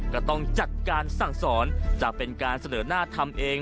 ก็ต้องจัดการสั่งสอนจะเป็นการเสนอหน้าทำเอง